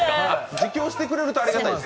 自供してくれるとありがたいです。